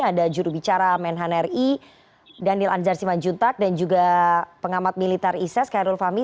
ada jurubicara menhan ri daniel anjar simanjuntak dan juga pengamat militer iss khairul fahmi